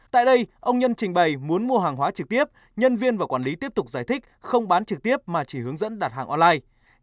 tại đây ông nhân trình bày muốn mua hàng hóa trực tiếp nhân viên và quản lý tiếp tục giải thích không bán trực tiếp mà chỉ hướng dẫn đặt hàng online